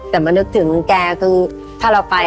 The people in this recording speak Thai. แต่มานึกถึงแกคือถ้าเราไป